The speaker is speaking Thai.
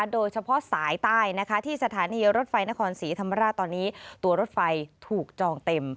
โดยเฉพาะสายใต้นะคะที่สถานีรถไฟนครศรีธรรมราชตอนนี้ตัวรถไฟถูกจองเต็ม